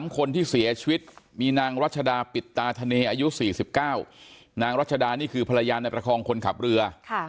คนที่เสียชีวิตมีนางรัชดาปิดตาทะเนอายุ๔๙นางรัชดานี่คือภรรยาในประคองคนขับเรือ